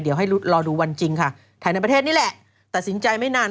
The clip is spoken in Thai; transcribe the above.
เดี๋ยวให้รอดูวันจริงค่ะถ่ายในประเทศนี่แหละตัดสินใจไม่นาน